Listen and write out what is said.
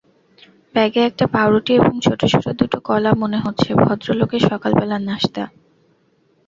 ব্যাগে একটা পাউরুটি এবং ছোট-ছোট দুটো কলা মনে হচ্ছে ভদ্রলোকের সকালবেলার নাশতা!